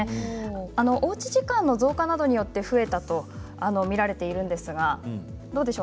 おうち時間の増加などによって増えたとみられているんですけどどうでしょう？